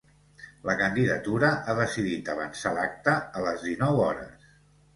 La candidatura ha decidit avançar l’acte a les dinou hores.